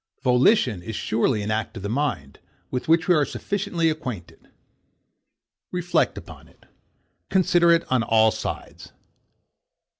Volition is surely an act of the mind, with which we are sufficiently acquainted. Reflect upon it. Consider it on all sides.